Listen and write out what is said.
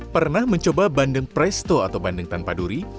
pernah mencoba bandeng presto atau bandeng tanpa duri